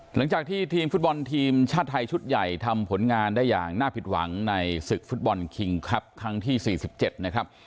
หลังจากที่ทีมฟุตบอลทีมชาติไทยชุดใหญ่ทำผลงานได้อย่างน่าผิดหวังในศึกฟุตบอลคิงครับครั้งที่๔๗นะครับ